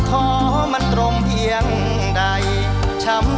ช่วยฝังดินหรือกว่า